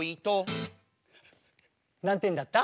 何点だった？